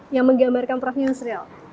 yang menggambarkan prof yusril